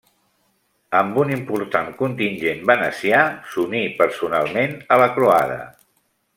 Amb un important contingent venecià, s'uní personalment a la Croada.